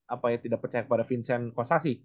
apa ya tidak percaya kepada vincent kostasi